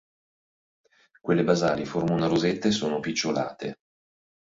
Quelle basali forma una rosetta e sono picciolate.